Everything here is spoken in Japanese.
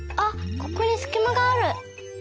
ここにすきまがある。